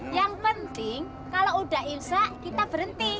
yang penting kalau udah imsa kita berhenti ya tau